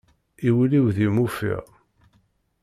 I wul-iw deg-m ufiɣ.